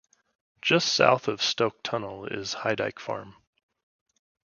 Just south of Stoke Tunnel is Highdyke Farm.